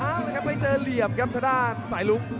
เอาละครับเลยเจอเหลี่ยมครับทางด้านสายลุ้ง